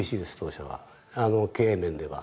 経営面では。